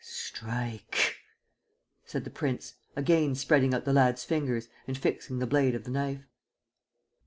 "Strike!" said the prince, again spreading out the lad's fingers and fixing the blade of the knife.